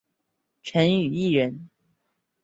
陈与义人。